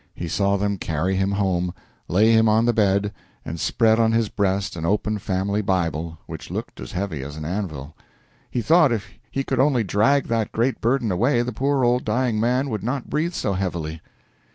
He saw them carry him home, lay him on the bed, and spread on his breast an open family Bible, which looked as heavy as an anvil. He thought if he could only drag that great burden away the poor old dying man would not breathe so heavily.